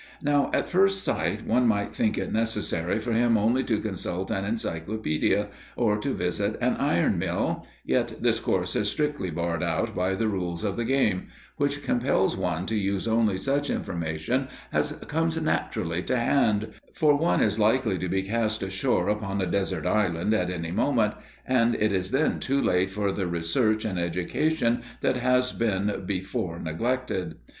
Now at first sight one might think it necessary for him only to consult an encyclopedia, or to visit on iron mill, yet this course is strictly barred out by the rules of the game, which compels one to use only such information as comes naturally to hand for one is likely to be cast ashore upon a desert island at any moment, and it is then too late for the research and education that has been before neglected.